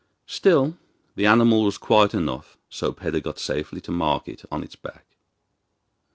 Still, the animal was quiet enough, so Peder got safely to market on its back.